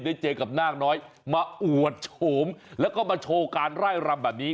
ได้เจอกับนาคน้อยมาอวดโฉมแล้วก็มาโชว์การไล่รำแบบนี้